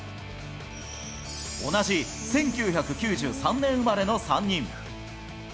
同じ１９９３年生まれの３人。